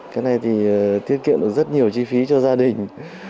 cái này thì tiết kiệm được rất nhiều chi phí cho gia đình